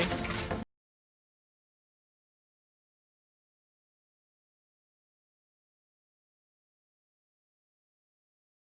jangan lupa like share dan subscribe ya